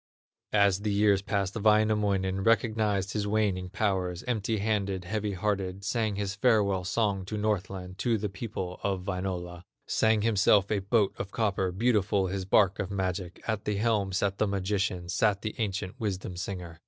As the years passed Wainamoinen Recognized his waning powers, Empty handed, heavy hearted, Sang his farewell song to Northland, To the people of Wainola; Sang himself a boat of copper, Beautiful his bark of magic; At the helm sat the magician, Sat the ancient wisdom singer.